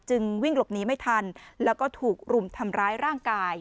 วิ่งหลบหนีไม่ทันแล้วก็ถูกรุมทำร้ายร่างกาย